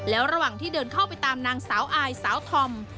แล้วระหว่างที่เดินเข้าไปตามนางสาวอายสาวธอม